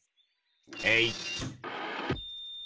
えい！